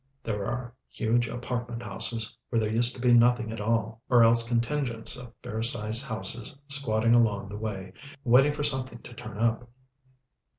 There are huge apartment houses where there used to be nothing at all, or else contingents of fair sized houses squatting along the way, waiting for something to turn up.